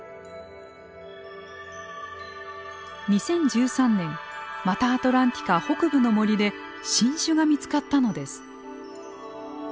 ２０１３年マタアトランティカ北部の森で新種が見つかったのです。